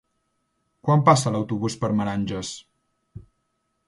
Quan passa l'autobús per Meranges?